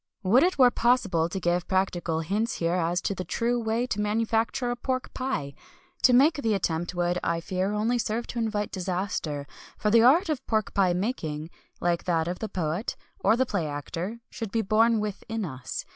Would it were possible to give practical hints here as to the true way to manufacture a pork pie! To make the attempt would, I fear, only serve to invite disaster; for the art of pork pie making, like that of the poet, or the play actor, should be born within us.